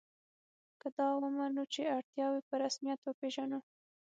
که دا ومنو چې اړتیاوې په رسمیت وپېژنو.